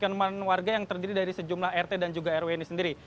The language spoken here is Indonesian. dengan warga yang terdiri dari sejumlah rt dan juga rw ini sendiri